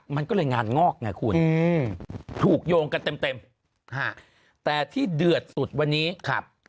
มันก็เลยงานงอกไงคุณอืมถูกโยงกันเต็มเต็มแต่ที่เดือดสุดวันนี้ครับ